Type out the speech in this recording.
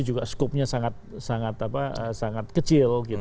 juga skupenya sangat kecil